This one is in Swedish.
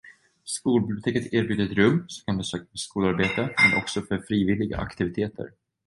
Skolbiblioteket erbjuder ett rum som kan besökas för skolarbete men också för frivilliga aktiviteter.